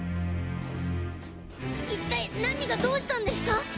一体何がどうしたんですか？